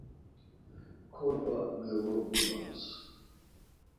Korba miğurğulams.